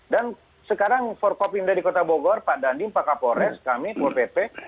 dan sekarang for kopi indah di kota bogor pak dandim pak kapolres kami wpp